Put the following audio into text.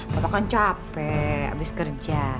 bapak kan capek habis kerja